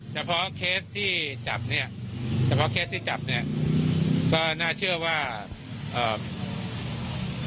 เฉพาะเคสที่จับเนี้ยเฉพาะเคสที่จับเนี้ยก็น่าเชื่อว่าเอ่อ